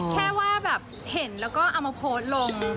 แค่ว่าแบบเห็นแล้วก็เอามาโพสต์ลง